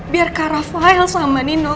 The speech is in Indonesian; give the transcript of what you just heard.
biar kak rafael sama nino